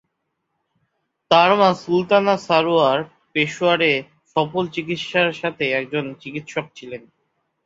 তার মা সুলতানা সারোয়ার পেশোয়ারে সফল চিকিৎসার সাথে একজন চিকিৎসক ছিলেন।